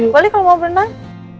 boleh kalo mau berenang